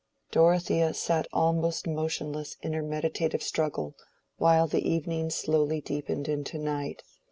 Dorothea sat almost motionless in her meditative struggle, while the evening slowly deepened into night.